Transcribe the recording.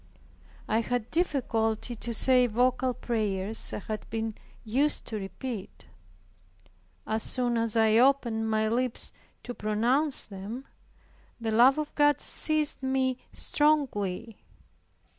I had difficulty to say vocal prayers I had been used to repeat. As soon as I opened my lips to pronounce them, the love of God seized me strongly.